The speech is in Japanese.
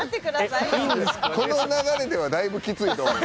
この流れではだいぶきついと思う。